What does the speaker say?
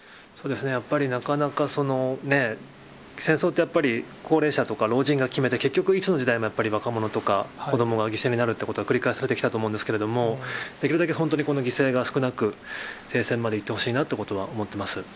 そうですね、やっぱりなかなか戦争ってやっぱり高齢者とか、老人が決めた、いつの時代もやっぱり若者とか、子どもが犠牲になるっていうことが繰り返されてきたと思うんですけれども、できるだけ本当に犠牲が少なく、停戦までいってほしいなっていうことは思っています。